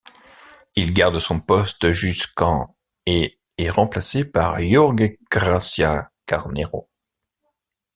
Il garde son poste jusqu'en et est remplacé par Jorge García Carneiro.